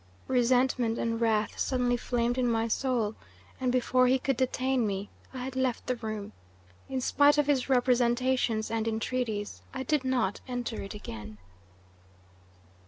Resentment and wrath suddenly flamed in my soul, and before he could detain me I had left the room. In spite of his representations and entreaties, I did not enter it again."